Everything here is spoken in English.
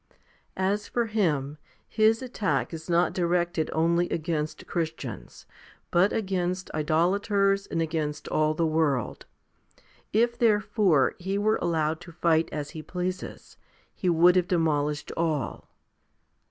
As for him, his attack is not directed only against Christians, but against idolaters, and against all the world. If therefore he were allowed to fight as he pleases, he would have demolished all.